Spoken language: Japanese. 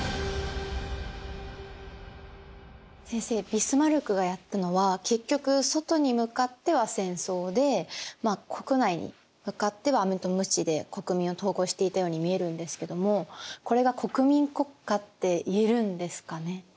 先生ビスマルクがやったのは結局外に向かっては戦争で国内に向かってはアメとムチで国民を統合していたように見えるんですけどもこれが国民国家って言えるんですかね？